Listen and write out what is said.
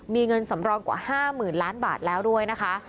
มีเงินสำรองกว่า๕๐๐๐ล้านบาทแล้วด้วยนะคะ